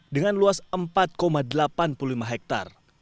dengan luas empat delapan puluh lima hektare